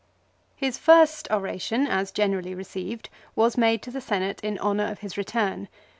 His first oration, as generally received, was made to the Senate in honour of his return.